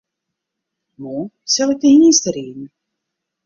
Moarn sil ik te hynsteriden.